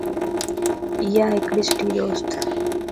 ايا ھڪڙي سٺي دوستَ